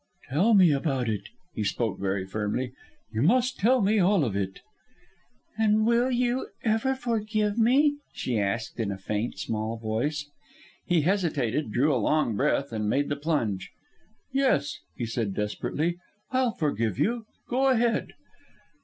"Tell me about it." He spoke very firmly. "You must tell me all of it." "And will you ever forgive me?" she asked in a faint, small voice. He hesitated, drew a long breath, and made the plunge. "Yes," he said desperately. "I'll forgive you. Go ahead."